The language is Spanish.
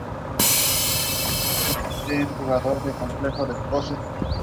Gervais les dijo a los reporteros: "El verdadero Warwick nos cuenta geniales historias.